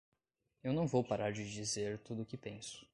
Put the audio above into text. Eu não vou parar de dizer tudo o que penso.